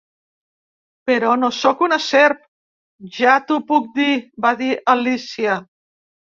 "Però no soc una serp, ja t"ho puc dir", va dir Alícia.